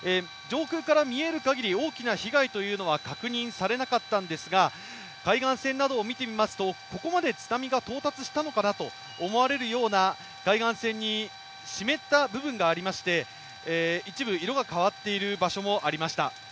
上空から見える限り、大きな被害というのは確認されなかったんですが海岸線などを見てみますと、ここまで津波が到達したのかなと思われるような海岸線に湿った部分がありまして、一部、色が変わっている場所がありました。